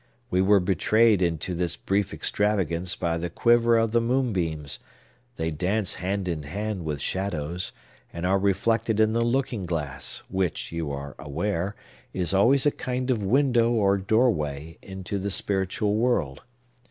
We were betrayed into this brief extravagance by the quiver of the moonbeams; they dance hand in hand with shadows, and are reflected in the looking glass, which, you are aware, is always a kind of window or doorway into the spiritual world.